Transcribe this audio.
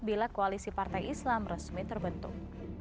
bila koalisi partai islam resmi terbentuk